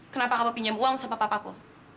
kenapa kamu pinjam uang sama papaku